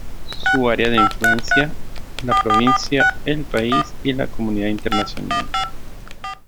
Su área de influencia: la provincia, el país y la comunidad internacional.